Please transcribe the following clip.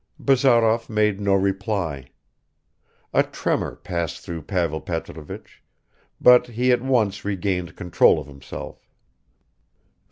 Bazarov made no reply. A tremor passed through Pavel Petrovich, but he at once regained control of himself.